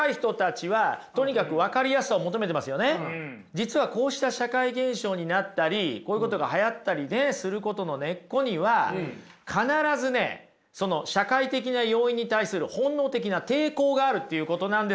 実はこうした社会現象になったりこういうことがはやったりすることの根っこには必ずねその社会的な要因に対する本能的な抵抗があるっていうことなんですよ。